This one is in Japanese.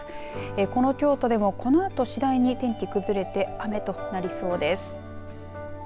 この京都でもこのあと次第に天気崩れて雨となりそうです。